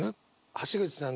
橋口さん